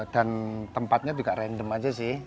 dan tempatnya juga random aja sih